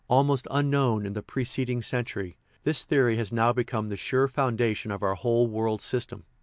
Almost unknown in the pre ceding century, this theory has now become the sure foundation of our whole world system.